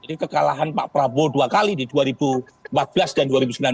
jadi kekalahan pak prabowo dua kali di dua ribu empat belas dan dua ribu sembilan belas